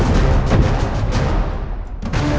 rai harus berhati hati